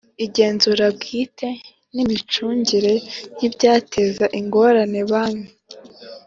Igenzura bwite n’ imicungire y’ibyateza ingorane banki